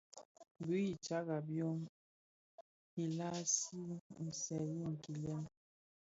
Bui i tagà byom,i làgsi senji kilel.